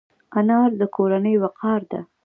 انا د کورنۍ وقار ده